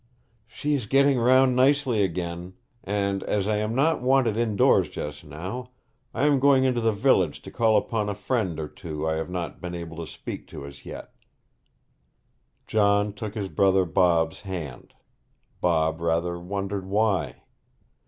'She is getting round nicely again; and as I am not wanted indoors just now, I am going into the village to call upon a friend or two I have not been able to speak to as yet.' John took his brother Bob's hand. Bob rather wondered why.